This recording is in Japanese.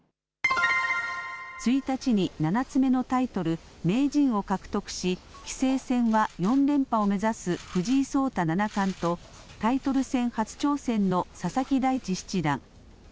１日に７つ目のタイトル、名人を獲得し、棋聖戦は４連覇を目指す藤井聡太七冠と、タイトル戦初挑戦の佐々木大地七段。